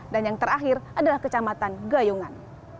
dan yang terakhir adalah kecamatan gayungan